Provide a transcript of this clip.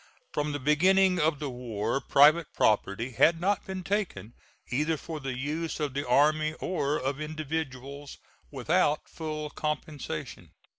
From the beginning of the war private property had not been taken, either for the use of the army or of individuals, without full compensation.